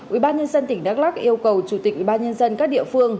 ubnd tỉnh đắk lắc yêu cầu chủ tịch ubnd các địa phương